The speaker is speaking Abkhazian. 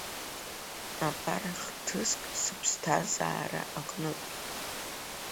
Абар хҭыск, сыԥсҭазаара аҟнытә.